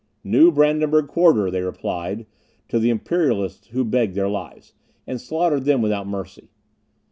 "New Brandenburg Quarter", they replied to the Imperialists who begged their lives, and slaughtered them without mercy.